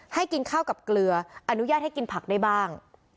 ให้กินข้าวกับเกลืออนุญาตให้กินผักได้บ้าง